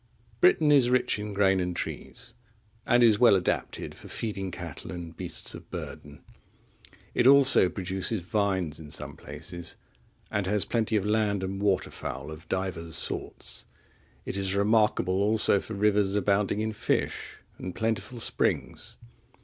Britain is rich in grain and trees, and is well adapted for feeding cattle and beasts of burden. It also produces vines in some places, and has plenty of land and water fowl of divers sorts; it is remarkable also for rivers abounding in fish, and plentiful springs.